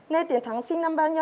nê tiến thắng sinh năm bao nhiêu